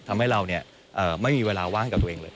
ทำให้เราไม่มีเวลาว่างกับตัวเองเลย